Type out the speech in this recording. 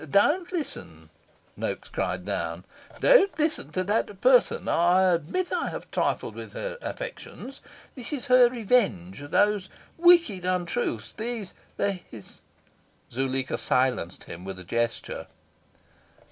"Don't listen," Noaks cried down. "Don't listen to that person. I admit I have trifled with her affections. This is her revenge these wicked untruths these these " Zuleika silenced him with a gesture.